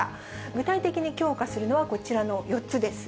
具体的に強化するのは、こちらの４つです。